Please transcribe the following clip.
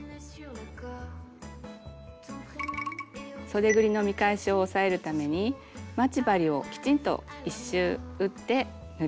そでぐりの見返しを押さえるために待ち針をきちんと一周打って縫って下さい。